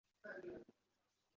传世的作品也仅有残篇。